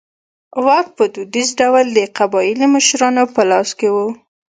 واک په دودیز ډول د قبایلي مشرانو په لاس کې و.